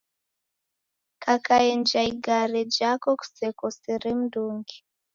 Kakaenja igare jako kusekosere mndungi.